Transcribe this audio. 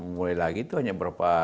mulai lagi itu hanya berapa